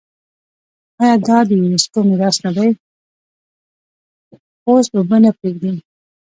پوست اوبه نه پرېږدي.